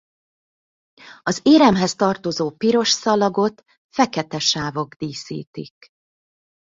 Az éremhez tartozó piros szalagot fekete sávok díszítik.